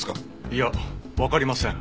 いやわかりません。